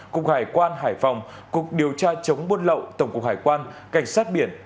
cục hải quan hải phòng cục điều tra chống buôn lậu tổng cục hải quan cảnh sát biển